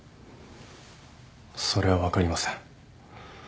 それは分かりません。